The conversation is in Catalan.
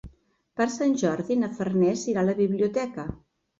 Per Sant Jordi na Farners irà a la biblioteca.